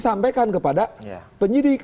sampaikan kepada penyidik